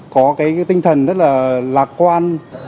có cái tinh thần rất là lạc quan